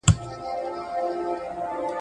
چا ویل چي په خلوت کي د ګناه زڼي ښخیږي ..